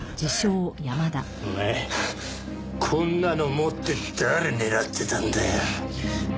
こんなの持って誰狙ってたんだよ？